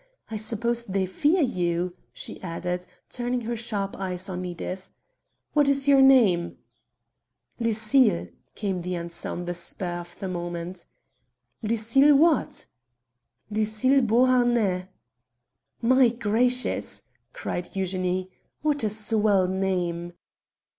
"I suppose they fear you," she added, turning her sharp eyes on Edith. "What is your name?" "Lucille," came the answer on the spur of the moment. "Lucille what?" "Lucille Beauharnais." "My gracious!" cried Eugenie, "what a swell name!"